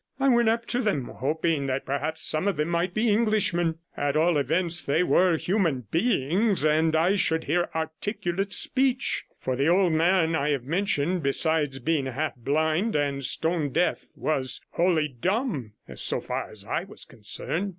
I went up to them, hoping that perhaps some of them might be Englishmen; at all events, they were human beings, and I should hear articulate speech; for the old man I have mentioned, besides being half blind and stone deaf, was wholly dumb so far as I was concerned.